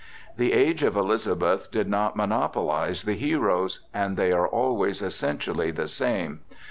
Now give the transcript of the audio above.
The age of Elizabeth did not monopolize the heroes, and they are always essentially the same.